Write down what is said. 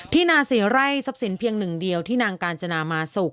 ที่นาศิไร้ซับสินเพียงหนึ่งเดียวที่นางกาญจนามาสุก